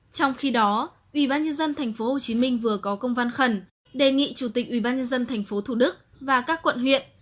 trong khi đó ubnd tp hồ chí minh vừa có công văn khẩn đề nghị chủ tịch ubnd tp thủ đức và các quận huyện